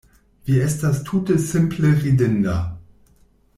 Vi estas tute simple ridinda.